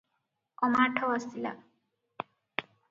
ଅମାଠ ଆସିଲା?